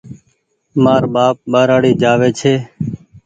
مآر ٻآپ ٻآرآڙي جآوي ڇي